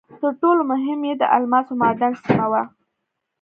تر ټولو مهم یې د الماسو معدن سیمه وه.